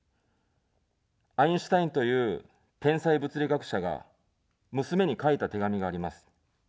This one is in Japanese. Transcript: アインシュタインという天才物理学者が娘に書いた手紙があります。